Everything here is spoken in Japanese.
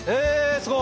すごい！